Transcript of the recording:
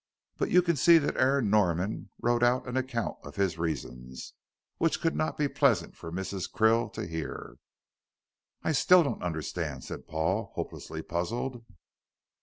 But you can see that Aaron Norman wrote out an account of his reasons, which could not be pleasant for Mrs. Krill to hear." "I still don't understand," said Paul, hopelessly puzzled.